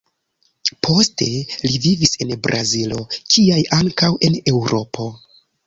Poste, li vivis en Brazilo kiaj ankaŭ en Eŭropo.